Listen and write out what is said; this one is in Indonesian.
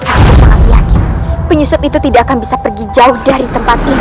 aku sangat yakin penyusup itu tidak akan bisa pergi jauh dari tempat ini